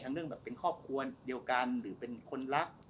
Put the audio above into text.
เรื่องแบบเป็นครอบครัวเดียวกันหรือเป็นคนรัก